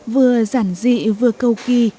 vừa giản dị vừa cầu kỳ